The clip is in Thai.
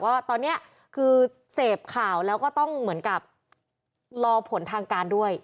ว่าตอนนี้คือเสพข่าวแล้วก็ต้องเหมือนกับรอผลทางการด้วย